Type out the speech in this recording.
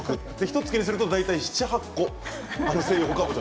ひとつきにすると大体７、８個、西洋かぼちゃ